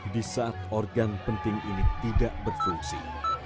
di saat organ penting ini tidak berfungsi